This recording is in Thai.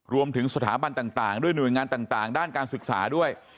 รวมถึงสถาบันต่างด้วยหน่วยงานต่างด้านการศึกษาด้วย